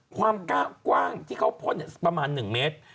ความกว้างที่เขาพ่นประมาณ๑เมตร